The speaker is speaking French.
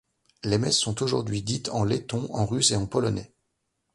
Les messes sont aujourd'hui dites en letton, en russe et en polonais.